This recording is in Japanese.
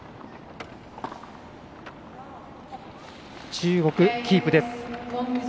中国、キープです。